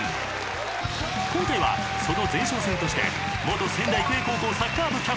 ［今回はその前哨戦として元仙台育英高校サッカー部キャプテン